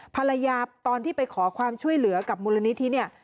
ภรรยาตอนที่ไปขอความช่วยเหลือกับมูลนิธิเนี่ย